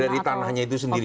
dari tanahnya itu sendiri